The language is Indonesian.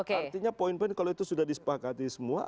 artinya poin poin kalau itu sudah disepakati semua